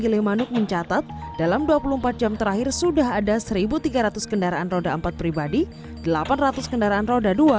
gilemanuk mencatat dalam dua puluh empat jam terakhir sudah ada seribu tiga ratus kendaraan roda empat pribadi delapan ratus kendaraan roda dua